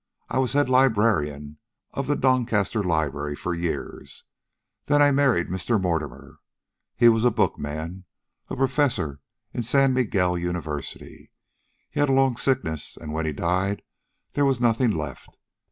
I was head librarian of the Doncaster Library for years. Then I married Mr. Mortimer. He was a book man, a professor in San Miguel University. He had a long sickness, and when he died there was nothing left.